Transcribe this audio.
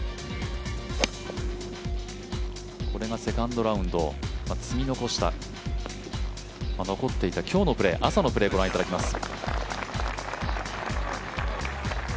これがセカンドラウンド、積み残した残っていた今日のプレー朝のプレーご覧いただきます。